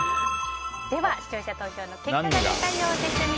では、視聴者投票の結果が出たようです。